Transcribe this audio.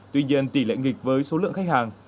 tuy nhiên tỷ lệ nghịch với số lượng khách hàng